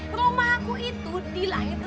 romaku itu dilayatkan